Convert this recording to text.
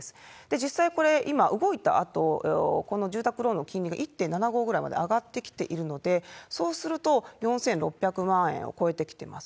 実際これ、今動いたあと、この住宅ローンの金利が１．７５ぐらいまで上がってきているので、そうすると、４６００万円を超えてきてます。